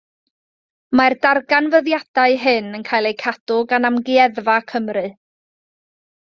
Mae'r darganfyddiadau hyn yn cael eu cadw gan Amgueddfa Cymru.